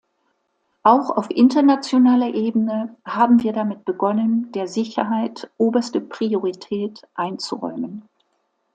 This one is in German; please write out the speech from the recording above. Auch auf internationaler Ebene haben wir damit begonnen, der Sicherheit oberste Priorität einzuräumen.